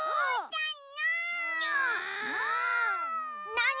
なに？